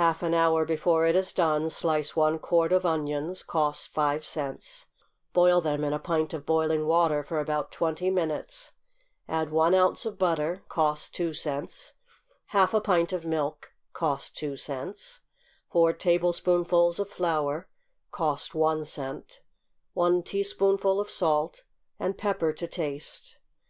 Half an hour before it is done slice one quart of onions, (cost five cents,) boil them in a pint of boiling water for about twenty minutes, add one ounce of butter, (cost two cents,) half a pint of milk, (cost two cents,) four tablespoonfuls of flour (cost one cent,) one teaspoonful of salt, and pepper to taste.